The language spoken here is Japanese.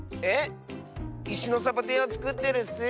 いしのサボテンをつくってるッス！